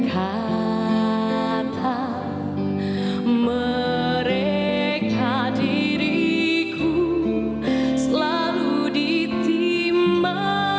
kata mereka diriku selalu ditima